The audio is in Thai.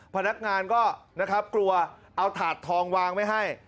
พนักงานก็กลัวเอาถาดทองวางไม่ให้